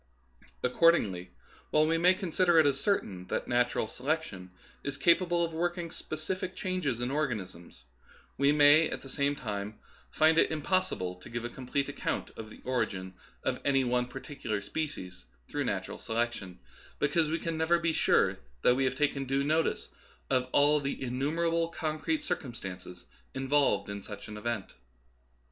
Accordingly, while we may consider it as certain that natural selection is ca pable of working specific changes in organisms, we may at the same time find it impossible to give a Darwinism Verified. 11 complete account of the origin of any one particu lar species through natural selection, because we can never be sure that we have taken due notice of all the innumerable concrete circumstances in volved in such an event.